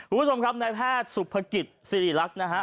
คุณผู้ชมครับนายแพทย์สุภกิจสิริรักษ์นะฮะ